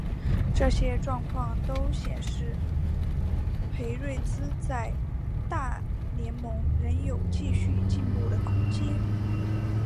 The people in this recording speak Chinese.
这些状况都显示裴瑞兹在大联盟仍有继续进步的空间。